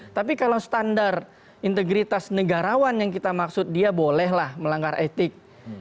tapi kalau standar integritas negarawan yang kita maksud dia bolehlah melanggar etik